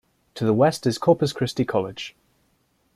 To the west is Corpus Christi College.